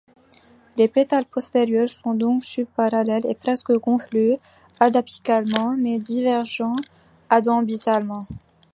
Les pétales postérieurs sont donc subparallèles, et presque confluents adapicalement, mais divergents adambitalement.